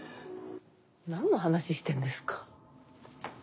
何の話してんですか。